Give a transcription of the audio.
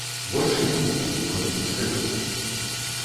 Больш ні гуку, хоць блізка вёска.